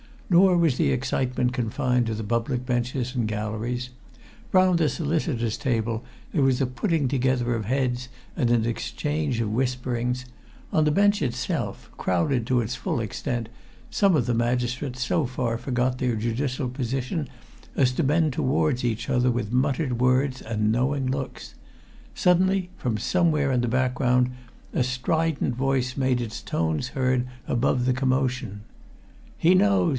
Nor was the excitement confined to the public benches and galleries; round the solicitors' table there was a putting together of heads and an exchange of whisperings; on the bench itself, crowded to its full extent, some of the magistrates so far forgot their judicial position as to bend towards each other with muttered words and knowing looks. Suddenly, from somewhere in the background, a strident voice made its tones heard above the commotion: "He knows!